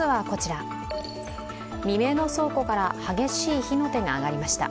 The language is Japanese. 未明の倉庫から激しい火の手が上がりました。